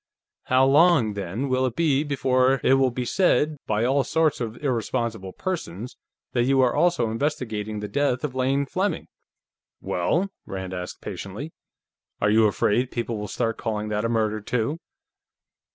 "How long, then, will it be before it will be said, by all sorts of irresponsible persons, that you are also investigating the death of Lane Fleming?" "Well?" Rand asked patiently. "Are you afraid people will start calling that a murder, too?"